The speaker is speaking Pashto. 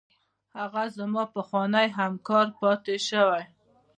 هغه زما پخوانی همکار پاتې شوی.